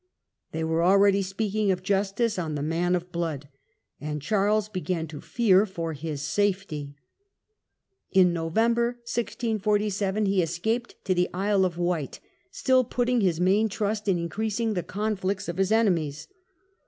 They were already speaking of justice on the " man of blood ", and Charles began to fear for his safety. In November, 1647, he escaped to the Isle of Wight, still putting his main trust in increasing the conflicts of his enemies.